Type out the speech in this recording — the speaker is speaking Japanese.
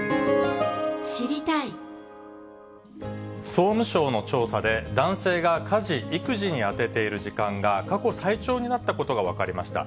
総務省の調査で、男性が家事・育児に充てている時間が、過去最長になったことが分かりました。